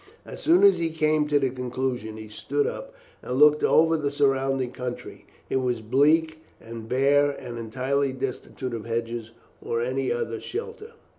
As soon as he came to this conclusion he stood up and looked over the surrounding country. It was bleak and bare, and entirely destitute of hedges or any other shelter.